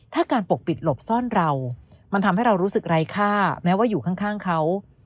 ถ้าการปกปิดหลบซ่อนเรามันทำให้เรารู้สึกไร้ค่าแม้ว่าอยู่ข้างเขา